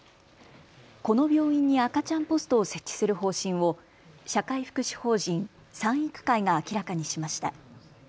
この病院に赤ちゃんポストを設置する方針を社会福祉法人、賛育会が明らかにしました。